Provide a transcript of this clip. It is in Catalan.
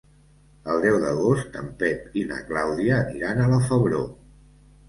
El deu d'agost en Pep i na Clàudia aniran a la Febró.